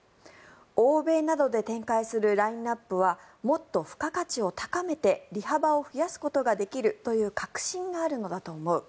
欧米などで展開するラインアップはもっと付加価値を高めて利幅を増やすことができるという確信があるのだと思う。